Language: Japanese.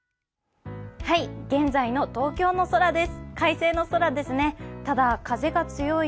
現在の東京の空です。